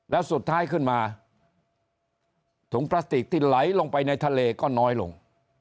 แล้วสุดท้ายขึ้นมาถุงพลาสติกที่ไหลลงไปในทะเลก็น้อยลง